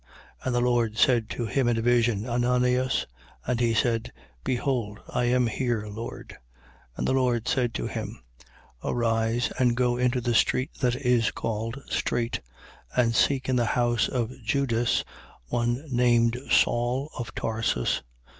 And the Lord said to him in a vision: Ananias, And he said: Behold I am here, Lord. 9:11. And the Lord said to him: Arise and go into the street that is called Strait and seek in the house of Judas, one named Saul of Tarsus.